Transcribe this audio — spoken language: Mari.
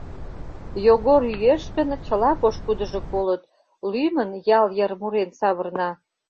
Йогор йӱэш гын, чыла пошкудыжо колыт — лӱмын ял йыр мурен савырна.